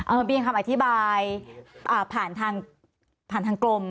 มันเปลี่ยนคำอธิบายผ่านทางกลม